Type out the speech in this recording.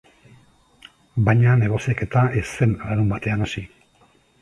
Baina negoziaketa ez zen larunbatean hasi.